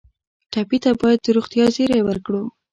ټپي ته باید د روغتیا زېری ورکړو.